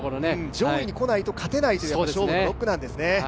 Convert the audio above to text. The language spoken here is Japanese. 上位に来ないと勝てないというのが勝負の６区なんですね。